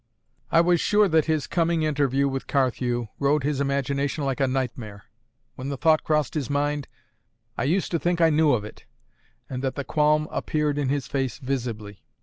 I was sure that his coming interview with Carthew rode his imagination like a nightmare; when the thought crossed his mind, I used to think I knew of it, and that the qualm appeared in his face visibly.